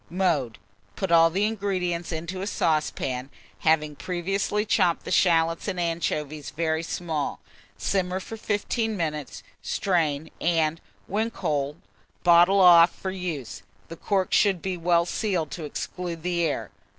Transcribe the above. Mode. Put all the ingredients into a saucepan, having previously chopped the shalots and anchovies very small; simmer for 15 minutes, strain, and, when cold, bottle off for use: the corks should be well sealed to exclude the air.